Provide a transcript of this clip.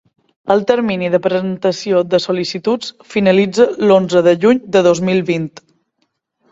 El termini de presentació de sol·licituds finalitza l'onze de juny de dos mil vint.